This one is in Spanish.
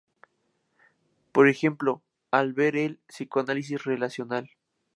Por ejemplo, al ver el "psicoanálisis relacional".